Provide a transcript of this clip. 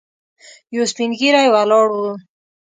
یو سپين ږيری ولاړ و.